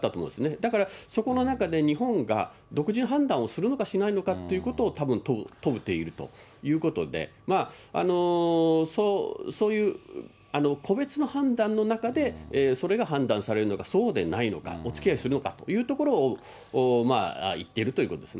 だからそこの中で日本が独自の判断をするのかしないのかということをたぶん問うているということで、そういう個別の判断の中で、それが判断されるのか、そうでないのか、おつきあいするのかというところを言っているということですね。